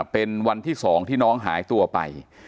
เป็นวันที่๒ที่น้องหายตัวไป